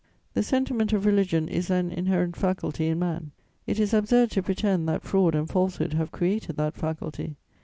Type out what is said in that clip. The sentiment of religion is an inherent faculty in man; it is absurd to pretend that fraud and falsehood have created that faculty.